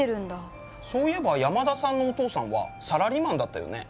そういえば山田さんのお父さんはサラリーマンだったよね？